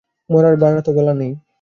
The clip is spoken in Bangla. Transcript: মরার বাড়া তো গাল নেই।